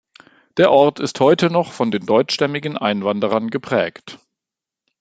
Der Ort ist heute noch von den deutschstämmigen Einwanderern geprägt.